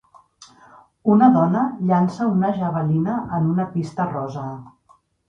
Una dona llança una javelina en una pista rosa.